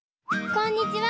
こんにちは！